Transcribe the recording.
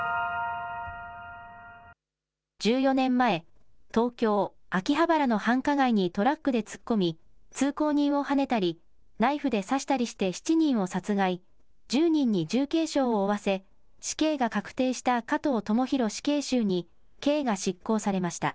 １４年前、東京・秋葉原の繁華街にトラックで突っ込み通行人をはねたりナイフで刺したりして７人を殺害、１０人に重軽傷を負わせ死刑が確定した加藤智大死刑囚に刑が執行されました。